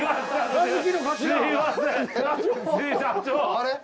あれ？